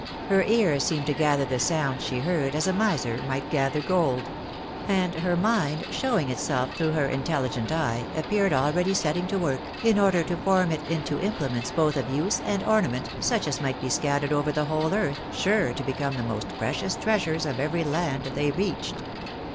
Her ear seemed to gather the sounds she heard, as a miser might gather gold ; and her mind, showing itself through her intelligent eye, appeared already setting to work, in order to form it into implements both of use and ornament, such as might be scattered over the whole earth, sure to become the most precious treasures of every land they reached.